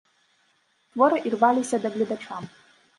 Творы ірваліся да гледача.